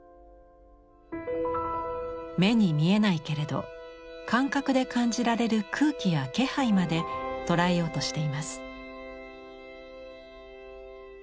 目に見えないけれど感覚で感じられる空気や気配まで捉えようとしています。